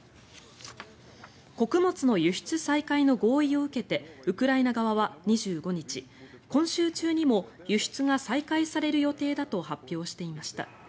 穀物の輸出再開の合意を受けてウクライナ側は２５日今週中にも輸出が再開される予定だと発表していました。